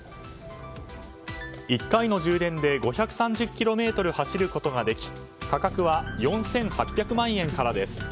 １回の充電で５３０ｋｍ走ることができ価格は４８００万円からです。